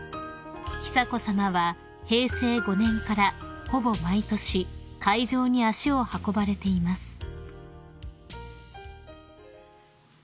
［久子さまは平成５年からほぼ毎年会場に足を運ばれています］